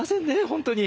本当に。